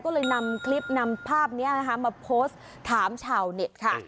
ก็เลยนำคลิปนำภาพนี้นะคะมาโพสต์ถามชาวเน็ตค่ะ